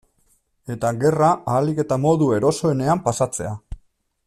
Eta gerra ahalik eta modu erosoenean pasatzea.